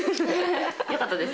よかったです。